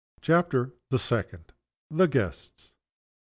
CHAPTER THE SECOND. THE GUESTS.